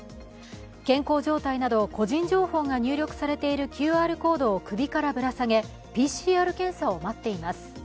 健康状態など個人情報が入力されているＱＲコードを首からぶら下げ、ＰＣＲ検査を待っています。